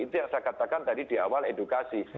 itu yang saya katakan tadi di awal edukasi